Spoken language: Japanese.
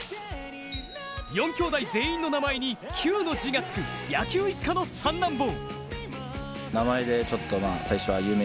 ４兄弟全員の名前に「球」の字がつく野球一家の三男坊。